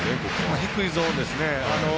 低いゾーンですね。